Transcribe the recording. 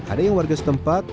ada yang warga setempat